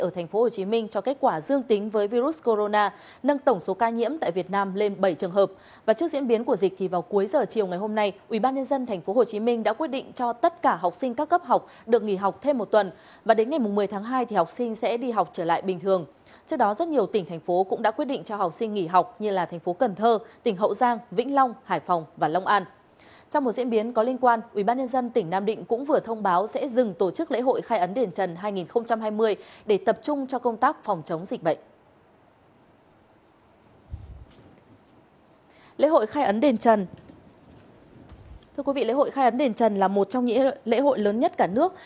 thưa quý vị lễ hội khai ấn đền trần là một trong những lễ hội lớn nhất cả nước